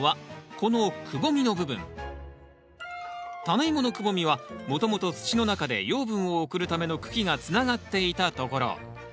タネイモのくぼみはもともと土の中で養分を送るための茎がつながっていたところ。